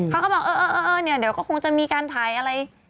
เขาก็บอกเดี๋ยวคงจะมีการถ่ายอะไร